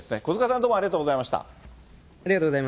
小塚さん、どうもありがとうございました。